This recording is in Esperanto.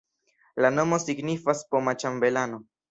La nomo signifas poma-ĉambelano.